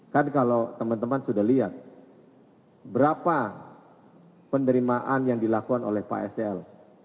kan kalau teman teman sudah lihat berapa penerimaan yang dilakukan oleh pak sel